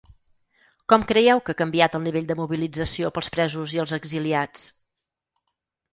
Com creieu que ha canviat el nivell de mobilització pels presos i els exiliats?